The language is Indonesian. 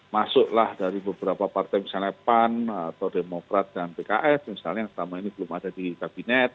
masuklah dari beberapa partai misalnya pan atau demokrat dan pks misalnya yang selama ini belum ada di kabinet